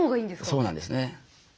そうなんですね。